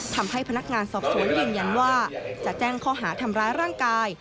ทำให้พนักงานสอบสวนยืนยันว่าจะแจ้งข้อหาทำร้ายร่างกาย